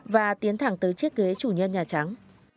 và tiến thẳng tới chiếc ghế chủ nhân nhà trắng